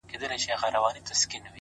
پرمختګ د زده کړې له دوام زېږي,